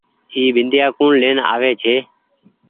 اي بنديآ ڪوڻ لين آوي ڇي۔